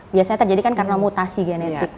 biasanya terjadi kan karena mutasi genetik